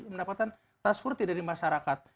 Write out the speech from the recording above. mendapatkan trustworthy dari masyarakat